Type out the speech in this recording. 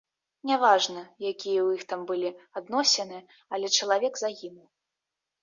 Няважна, якія ў іх там былі адносіны, але чалавек загінуў.